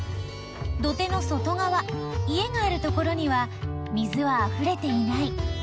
土手の外がわ家があるところには水はあふれていない。